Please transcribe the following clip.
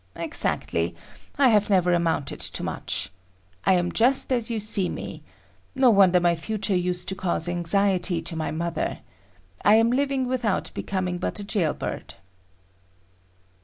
Exactly; I have never amounted to much. I am just as you see me; no wonder my future used to cause anxiety to my mother. I am living without becoming but a jailbird.